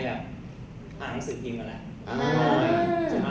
หาหนังสือพิมพ์